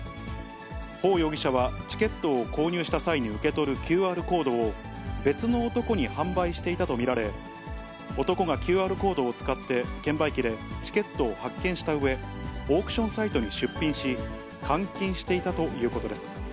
方容疑者はチケットを購入した際に受け取るＱＲコードを別の男に販売していたと見られ、男がＱＲコードを使って券売機でチケットを発券したうえ、オークションサイトに出品し、換金していたということです。